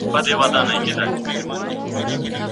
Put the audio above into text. ما د پښتو ژبي دپاره یوه نوې ویب پاڼه جوړه کړه